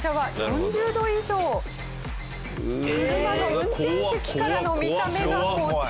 車の運転席からの見た目がこちら。